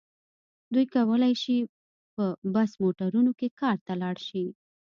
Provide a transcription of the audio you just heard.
دوی کولای شي په بس موټرونو کې کار ته لاړ شي.